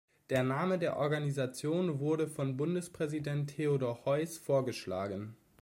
Der Name der Organisation wurde von Bundespräsident Theodor Heuss vorgeschlagen.